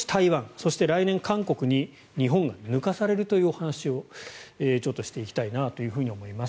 そして来年、韓国に日本が抜かされるというお話をしていきたいなと思います。